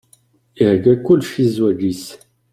Ihegga kullec i zzwaǧ-is.